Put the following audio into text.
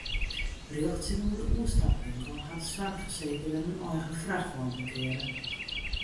Rjocht tsjinoer de oerstapwinkel hat de soarchfersekerder in eigen frachtwein parkearre.